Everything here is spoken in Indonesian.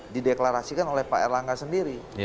dideklarasikan oleh pak erlangga sendiri